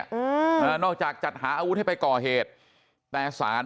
สู้คดีให้ด้วยเนี่ยนอกจากจัดหาอาวุธให้ไปก่อเหตุแต่สาร